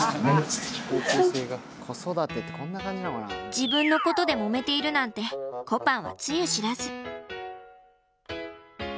自分のことでもめているなんてこぱんはつゆ知らず。